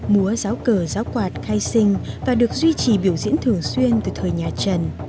múa giáo cờ giáo quạt khai sinh và được duy trì biểu diễn thường xuyên từ thời nhà trần